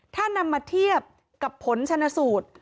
ถ้านำมาเทียบกับผลชนสูตร